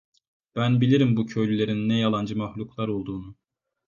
Ben bilirim bu köylülerin ne yalancı mahluklar olduğunu…